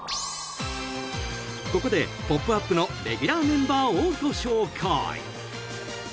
［ここで『ポップＵＰ！』のレギュラーメンバーをご紹介！］